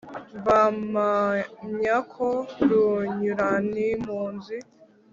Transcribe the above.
Bampamya ko Runyuranimpunzi